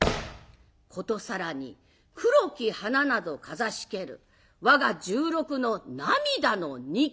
「殊更に黒き花などかざしけるわが十六の涙の日記」。